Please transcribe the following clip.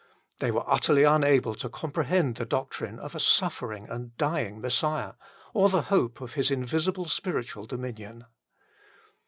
They were utterly unable to com prehend the doctrine of a suffering and dying Messiah or the hope of His invisible spiritual dominion.